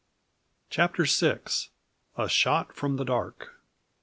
CHAPTER 6. A Shot From the Dark.